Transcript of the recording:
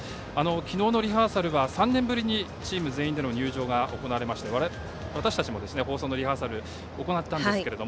昨日のリハーサルは３年ぶりにチーム全員での入場が行われまして私たちも放送のリハーサルを行ったんですが。